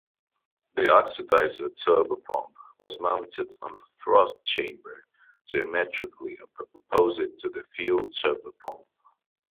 The oxidizer turbopump was mounted on the thrust chamber diametrically opposite the fuel turbopump.